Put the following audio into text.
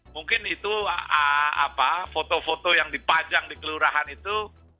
mungkin itu foto foto yang dipajang di kelurahan itu